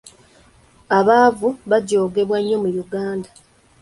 Abaavu bajoogebwa nnyo mu Uganda.